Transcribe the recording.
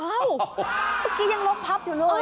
เมื่อกี้ยังล้มพับอยู่เลย